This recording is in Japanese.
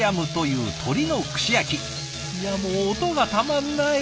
いやもう音がたまんない！